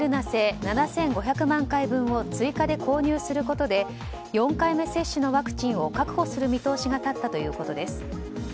製７５００万回分を追加で購入することで４回目接種のワクチンを確保する見通しが立ったということです。